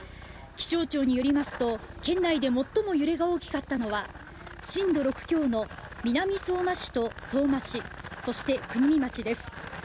気象庁によりますと県内で最も揺れが大きかったのは震度６強の南相馬市と相馬市そして国見町です。